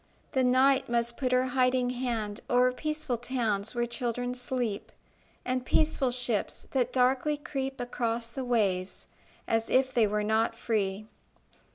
The night must put her hiding hand O'er peaceful towns where children sleep, And peaceful ships that darkly creep Across the waves, as if they were not free.